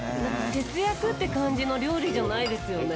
節約って感じの料理じゃないですよね。